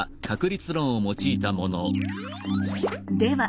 では